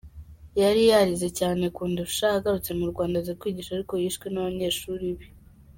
Yari yarize cyane kundusha, agarutse mu Rwanda aza kwigisha ariko yishwe n’abanyeshuri be".